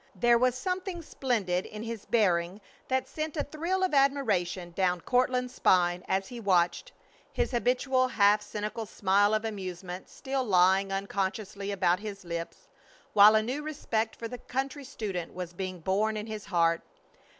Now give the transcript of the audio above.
There was something splendid in his bearing that sent a thrill of admiration down Courtland's spine as he watched, his habitual half cynical smile of amusement still lying unconsciously about his lips, while a new respect for the country student was being born in his heart.